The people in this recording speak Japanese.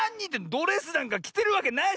ドレスなんかきてるわけないじゃない！